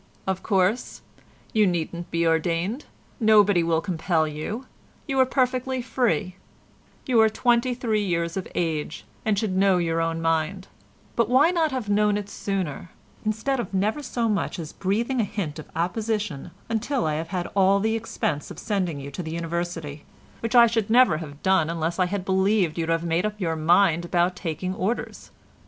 "Of course you needn't be ordained: nobody will compel you; you are perfectly free; you are twenty three years of age, and should know your own mind; but why not have known it sooner, instead of never so much as breathing a hint of opposition until I have had all the expense of sending you to the University, which I should never have done unless I had believed you to have made up your mind about taking orders?